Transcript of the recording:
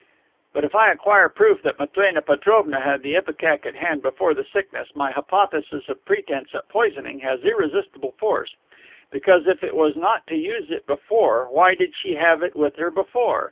"But, if I acquire proof that Matrena Petrovna had the ipecac at hand before the sickness, my hypothesis of pretense at poisoning has irresistible force. Because, if it was not to use it before, why did she have it with her before?